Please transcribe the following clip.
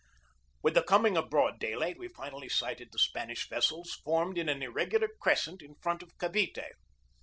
With the coming of broad daylight we finally sighted the Spanish vessels formed in an irregular crescent in front of Cavite.